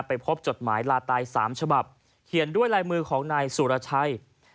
พบจดหมายลาตาย๓ฉบับเขียนด้วยลายมือของนายสุรชัย